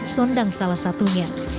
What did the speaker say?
sondang salah satunya